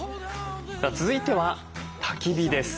さあ続いてはたき火です。